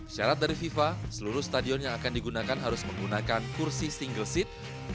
syarat dari fifa seluruh stadion yang akan digunakan harus menggunakan kursi single seat